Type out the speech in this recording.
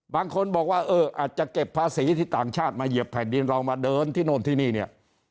บางคนบอกว่าเอออาจจะเก็บภาษีที่ต่างชาติมาเหยียบแผ่นดินเรามาเดินที่โน่นที่นี่เนี่ย